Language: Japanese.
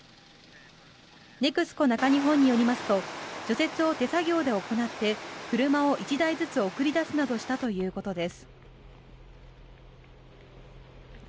ネクスコ中日本によりますと除雪を手作業で行って車を１台ずつ送り出すなどしたということです。